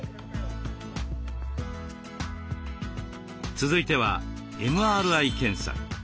続いてはＭＲＩ検査。